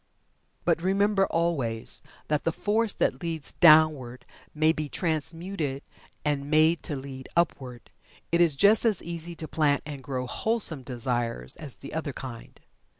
But remember, always, that the force that leads downward may be transmuted and made to lead upward. It is just as easy to plant and grow wholesome desires as the other kind.